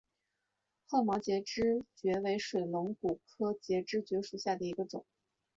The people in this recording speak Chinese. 厚毛节肢蕨为水龙骨科节肢蕨属下的一个种。